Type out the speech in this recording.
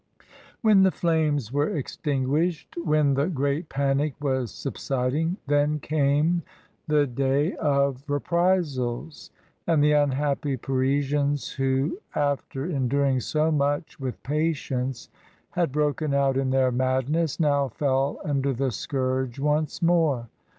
When the flames were extinguished, when the great panic was subsiding, then came the daj :* reprisals, and the unhappy Parisians, who, after ec during so much with patience, had broken out is their madness, now fell under the scourge once more.